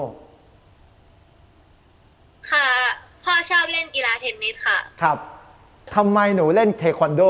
ค่ะพ่อชอบเล่นกีฬาเทนนิสค่ะครับทำไมหนูเล่นเทคอนโด